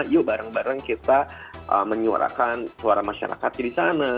yuk bareng bareng kita menyuarakan suara masyarakatnya di sana